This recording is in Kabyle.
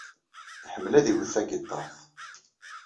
Iḥemmel ad iwet tagiṭart.